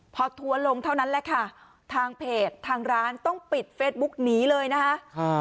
พอทัวร์ลงเท่านั้นแหละค่ะทางเพจทางร้านต้องปิดเฟซบุ๊กหนีเลยนะคะ